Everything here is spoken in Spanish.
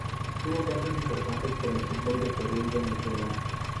Tuvo pasos importantes por el fútbol de Perú y Venezuela.